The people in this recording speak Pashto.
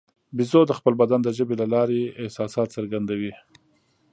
بیزو د خپل بدن د ژبې له لارې احساسات څرګندوي.